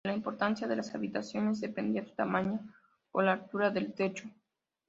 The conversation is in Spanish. De la importancia de las habitaciones dependía su tamaño o la altura del techo.